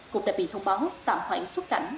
cục đã bị thông báo tạm hoãn xuất cảnh